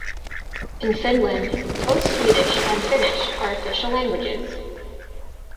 In Finland, both Swedish and Finnish are official languages.